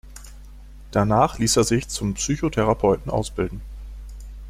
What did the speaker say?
Danach ließ er sich zum Psychotherapeuten ausbilden.